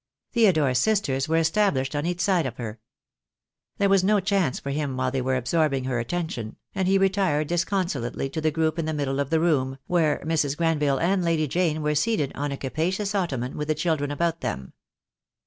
Theo dore's sisters were established on each side of her. There was no chance for him while they were absorbing her attention, and he retired disconsolately to the group in the middle of the room, where Mrs. Grenville and Lady Jane were seated on a capacious ottoman with the chil dren about them.